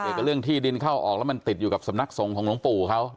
เอกลักษณะที่ดินเข้าออกแล้วมันติดอยู่กับสำนักสงของน้องปู่เขา